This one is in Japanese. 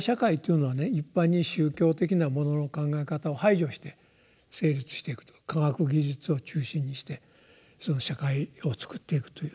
一般に宗教的なものの考え方を排除して成立していくと科学技術を中心にして社会をつくっていくという。